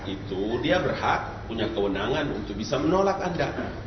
itu dia berhak punya kewenangan untuk bisa menolak anda